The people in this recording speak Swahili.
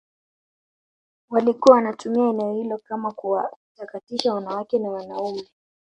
walikuwa wanatumia eneo hilo kama kuwatakatisha wanawake na wanaume